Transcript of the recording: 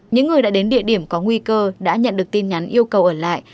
những người đã đến địa điểm có nguy cơ đã nhận được tin nhắn yêu cầu ở lại